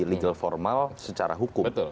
legal formal secara hukum